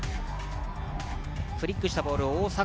クリックしたボールを大迫